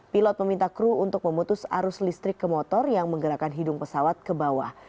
pilot meminta kru untuk memutus arus listrik ke motor yang menggerakkan hidung pesawat ke bawah